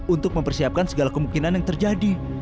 untuk mempersiapkan segala kemungkinan yang terjadi